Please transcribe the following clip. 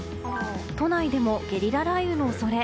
都内でもゲリラ雷雨の恐れ。